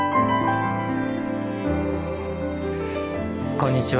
こんにちは。